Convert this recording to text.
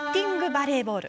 バレーボール。